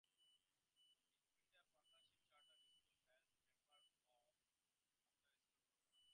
The Widener Partnership Charter School also has a number of after school programs.